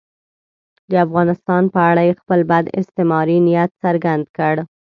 د افغانستان په اړه یې خپل بد استعماري نیت څرګند کړ.